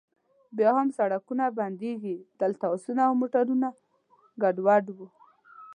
بیا هم سړکونه بندیږي، دلته اسونه او موټرونه ګډوډ و.